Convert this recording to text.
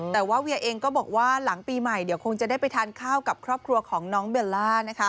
แต่ว่าเวียเองก็บอกว่าหลังปีใหม่เดี๋ยวคงจะได้ไปทานข้าวกับครอบครัวของน้องเบลล่านะคะ